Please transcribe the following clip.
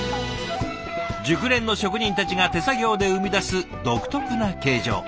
熟練の職人たちが手作業で生み出す独特な形状。